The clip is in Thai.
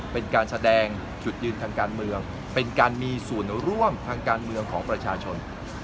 เป็นการแสดงจุดยืนทางการเมืองเป็นการมีส่วนร่วมทางการเมืองของประชาชน